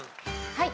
はい。